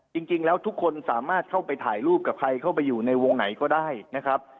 จริงแล้วทุกคนสามารถเข้าไปถ่ายรูปกับใครเข้าไปอยู่ในวงไหนก็ได้นะครับ